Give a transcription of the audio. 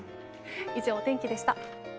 以上、お天気でした。